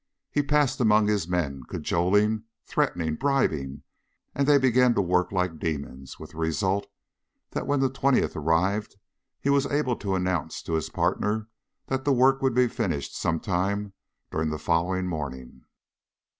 He passed among his men, cajoling, threatening, bribing, and they began to work like demons, with the result that when the twentieth arrived he was able to announce to his partner that the work would be finished some time during the following morning.